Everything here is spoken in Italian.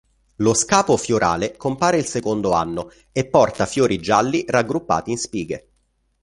Lo scapo fiorale compare il secondo anno e porta fiori gialli raggruppati in spighe.